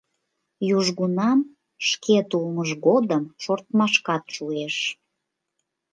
Южгунам шкет улмыж годым шортмашкат шуэш.